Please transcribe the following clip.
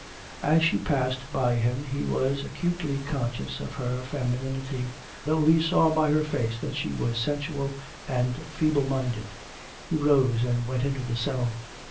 As she passed by him he was acutely conscious of her femininity, though he saw by her face that she was sensual and feeble minded. He rose and went into the cell.